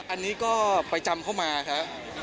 อันนี้ก็ไปจำเข้ามาครับ